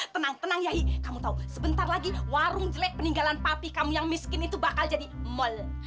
tenang tenang yai kamu tahu sebentar lagi warung jelek peninggalan papi kamu yang miskin itu bakal jadi mall